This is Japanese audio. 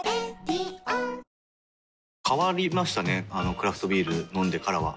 クラフトビール飲んでからは。